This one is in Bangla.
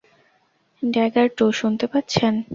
ড্যাগার টু, শুনতে পাচ্ছেন?